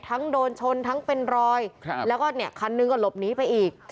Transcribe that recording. ทั้งโดนชนทั้งเป็นรอยครับแล้วก็เนี่ยคันนึงก็ลบนี้ไปอีก